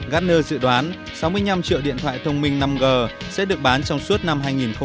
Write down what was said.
gartner dự đoán sáu mươi năm triệu điện thoại thông minh năm g sẽ được bán trong suốt năm hai nghìn hai mươi